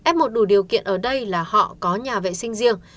f một đủ điều kiện ở đây là họ có nhà vệ sinh riêng